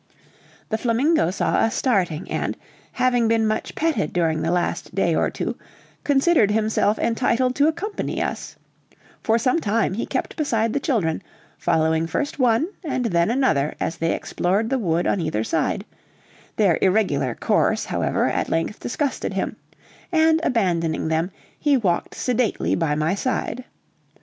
The flamingo saw us starting, and, having been much petted during the last day or two, considered himself entitled to accompany us; for some time he kept beside the children, following first one and then another as they explored the wood on either side; their irregular course, however, at length disgusted him, and, abandoning them, he walked sedately by my side.